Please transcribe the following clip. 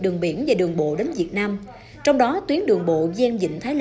đường biển và đường bộ đến việt nam trong đó tuyến đường bộ gian dịnh